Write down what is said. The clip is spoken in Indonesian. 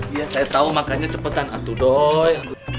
iya saya tau makanya cepetan atu doy